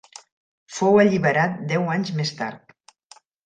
Fou alliberat deu anys més tard.